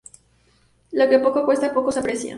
Lo que poco cuesta poco se aprecia